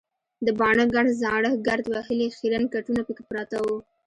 د باڼه ګڼ زاړه ګرد وهلي خیرن کټونه پکې پراته وو.